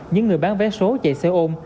những người bán vé số chạy xe ôn